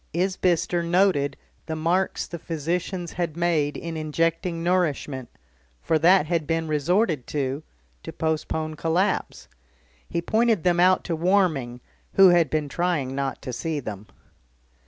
Isbister noted the marks the physicians had made in injecting nourishment, for that had been resorted to to postpone collapse; he pointed them out to Warming, who had been trying not to see them.